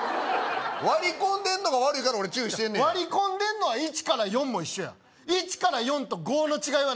割り込んでんのが悪いから俺注意してんねや割り込んでんのは１から４も一緒や１から４と５の違いは何？